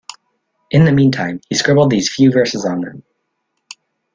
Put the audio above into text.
In the meantime, he scribbled these few verses on them.